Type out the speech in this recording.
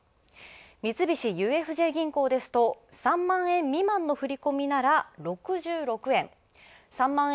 三菱ＵＦＪ銀行ですと、３万円未満の振込なら６６円。